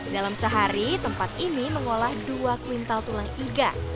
dalam sehari tempat ini mengolah dua kuintal tulang iga